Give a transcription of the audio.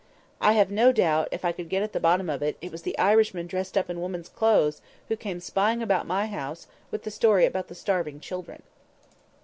I have no doubt, if I could get at the bottom of it, it was that Irishman dressed up in woman's clothes, who came spying about my house, with the story about the starving children."